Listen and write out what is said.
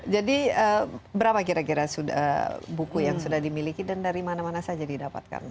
jadi berapa kira kira buku yang sudah dimiliki dan dari mana mana saja didapatkan